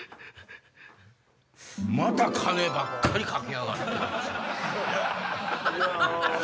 また金ばっかりかけやがって。